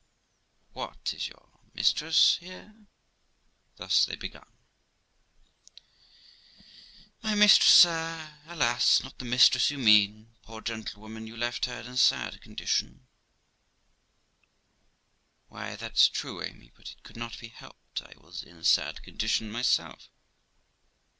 What ! is your mistress here?' Thus they begun: Amy. My mistress, sir, alas! not the mistress you mean; poor gentle woman, you left her in a sad condition. THE LIFE OF ROXANA 245 Gent. Why, that's true, Amy; but it could not be helped; I was in a sad condition myself.